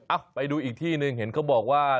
ไปดูอีกที่หนึ่งเห็นเขาบอกว่า